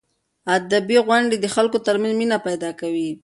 ادبي غونډې د خلکو ترمنځ مینه پیدا کوي.